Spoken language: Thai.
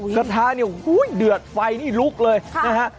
กระทะเนี่ยเดือดไฟนี่ลุกเลยนะฮะ